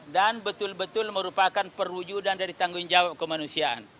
dan betul betul merupakan perwujudan dari tanggung jawab kemanusiaan